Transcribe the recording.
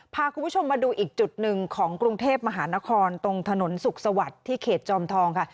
พาคุณผู้ชมมาดูอีกจุดหนึ่งของกรุงเทพมหานครตรงถนนสุขสวัสดิ์ที่เขตจอมทองค่ะ